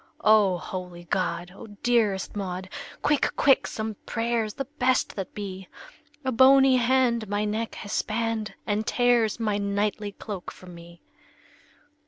"O holy God! O dearest Maud, Quick, quick, some prayers, the best that be! A bony hand my neck has spanned, And tears my knightly cloak from me!"